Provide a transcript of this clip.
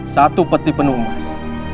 satu peti penuh emas